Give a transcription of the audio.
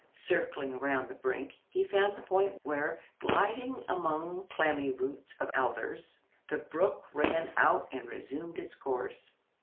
Circling around the brink, he found the point where, gliding among clammy roots of alders, the brook ran out and resumed its course."